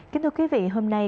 kính thưa quý vị hôm nay